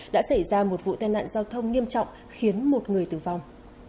đã xảy ra một vụ tai nạn giao thông nghiêm trọng khiến một người tử vong